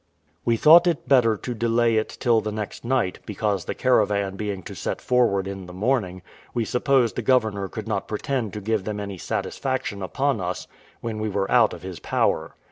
We thought it better to delay it till the next night, because the caravan being to set forward in the morning, we suppose the governor could not pretend to give them any satisfaction upon us when we were out of his power.